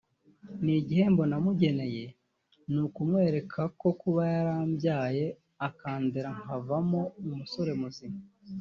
« Ni igihembo namugeneye ni ukumwereka ko kuba yarambyaye akandera nkavamo umusore muzima